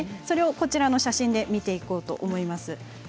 こちらの写真で見ていこうと思います。